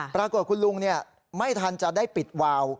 ปรากฏคุณลุงไม่ทันจะได้ปิดวาว